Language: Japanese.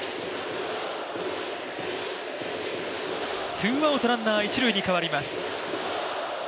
ツーアウトランナー一塁に変わります。